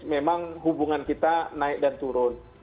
memang hubungan kita naik dan turun